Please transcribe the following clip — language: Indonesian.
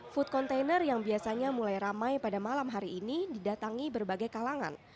food container yang biasanya mulai ramai pada malam hari ini didatangi berbagai kalangan